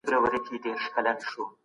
حقوقپوهان ولي د بیان ازادي خوندي کوي؟